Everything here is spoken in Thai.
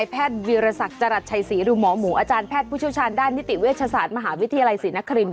เพราะว่ามันไม่มีตัวไหนเป็นตัวกลางแล้ว